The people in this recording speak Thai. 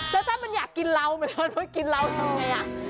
แล้วถ้ามันอยากกินเรามันกินเราทำไง